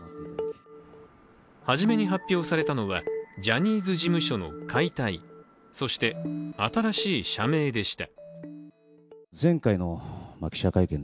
はじめに発表されたのはジャニーズ事務所の解体、そして新しい社名でした。